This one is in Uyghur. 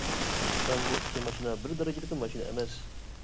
ھەم بۇ ئىككى ماشىنا بىر دەرىجىدىكى ماشىنا ئەمەس.